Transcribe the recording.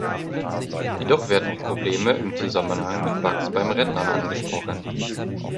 Jedoch werden auch Probleme im Zusammenhang mit Bugs beim Rendern angesprochen.